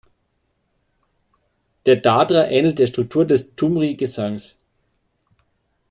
Der Dadra ähnelt der Struktur des Thumri-Gesangs.